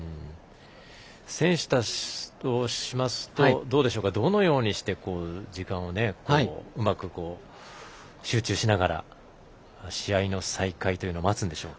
選手たちとしますとどのようにして、時間をうまく集中しながら試合の再開というのを待つんでしょうか。